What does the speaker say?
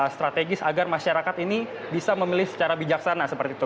strategis agar masyarakat ini bisa memilih secara bijaksana seperti itu